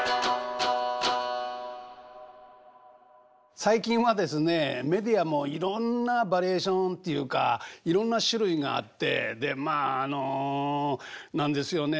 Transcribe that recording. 最近はですねメディアもいろんなバリエーションというかいろんな種類があってまああの何ですよね